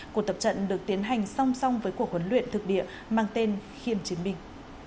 cuộc tập trận được tiến hành song song với cuộc huấn luyện thực địa mang tên khiêm chiến binh